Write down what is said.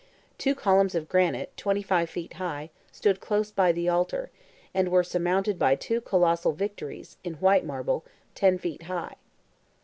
Two columns of granite, twenty five feet high, stood close by the altar, and were surmounted by two colossal Victories, in white marble, ten feet high.